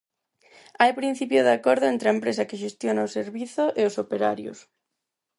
Hai principio de acordo entre a empresa que xestiona o servizo e os operarios.